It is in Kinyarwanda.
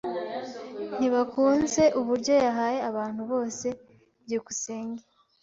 Ntibakunze uburyo yahaye abantu bose. byukusenge